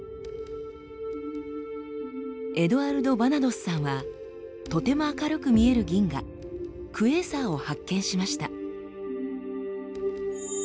エドアルド・バナドスさんはとても明るく見える銀河「クエーサー」を発見しました。